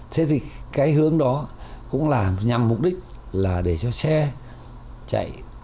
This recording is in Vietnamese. thế thì cái hướng đó cũng là nhằm mục đích là để cho xe chạy